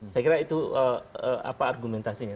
saya kira itu apa argumentasinya